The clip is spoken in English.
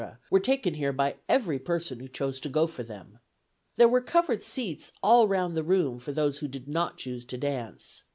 were taken here by every person who chose to go for them. There were covered seats all round the room for those who did not choose to dance.